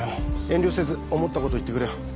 遠慮せず思ったことを言ってくれよ。